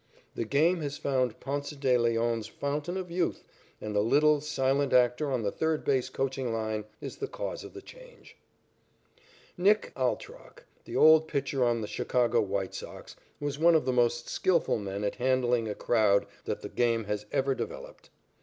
The game has found Ponce de Leon's fountain of youth, and the little, silent actor on the third base coaching line is the cause of the change. "Nick" Altrock, the old pitcher on the Chicago White Sox, was one of the most skilful men at handling a crowd that the game has ever developed.